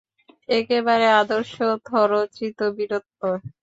একেবারে আদর্শ থরো-চিত বীরত্ব।